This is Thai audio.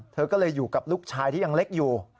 เธอก็เลยอยู่กับลูกชายที่ยังเล็กอยู่